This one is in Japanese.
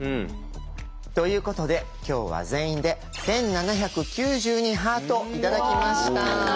ということで今日は全員で１７９２ハート頂きました。